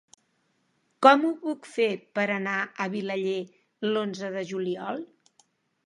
Com ho puc fer per anar a Vilaller l'onze de juliol?